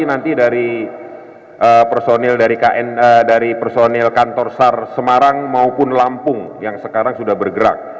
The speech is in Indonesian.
nanti dari personil dari personil kantor sar semarang maupun lampung yang sekarang sudah bergerak